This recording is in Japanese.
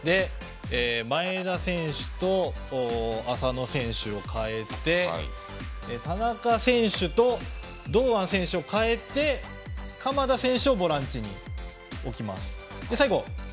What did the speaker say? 前田選手と浅野選手を代えて田中選手と堂安選手を代えて鎌田選手をボランチに置きます。